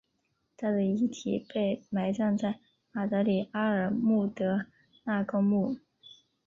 她的遗体被埋葬在马德里阿尔穆德纳公墓。